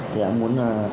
thì em muốn